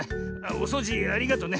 おそうじありがとうね。